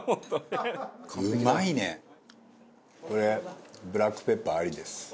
これブラックペッパーありです。